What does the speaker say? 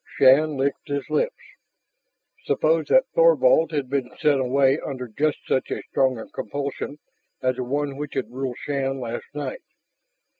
Shann licked his lips. Suppose that Thorvald had been sent away under just such a strong compulsion as the one which had ruled Shann last night?